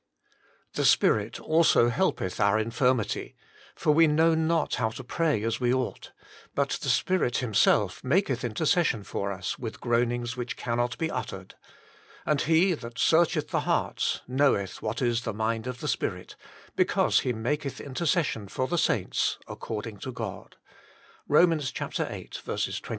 "The Spirit also helpeth our infirmity; for we know not how to pray as we ought : hut the Spirit Himself maketh intercession for us with groanings which cannot he uttered. And He that searcheth the hearts knoweth what is the mind of the Spirit, because He maketh intercession for the saints according to God." ROM. viii.